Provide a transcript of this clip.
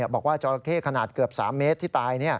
บอกว่าจราเข้ขนาดเกือบ๓เมตรที่ตาย